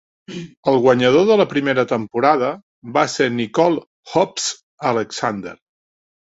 El guanyador de la primera temporada va ser Nicole "Hoopz" Alexander.